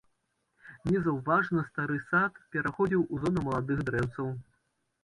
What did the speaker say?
Незаўважна стары сад пераходзіў у зону маладых дрэўцаў.